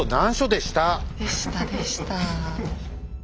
でしたでした。